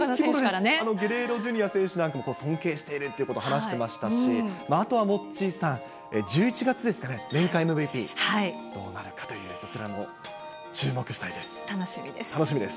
ゲレーロＪｒ．選手なんかも尊敬しているということ話してましたし、あとはモッチーさん、１１月ですかね、年間ＭＶＰ、どうなるかという、楽しみです。